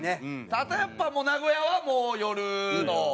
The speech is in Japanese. あとやっぱ名古屋は夜の。